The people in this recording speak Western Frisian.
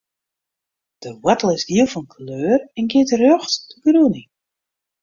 De woartel is giel fan kleur en giet rjocht de grûn yn.